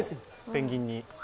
ペンギンに。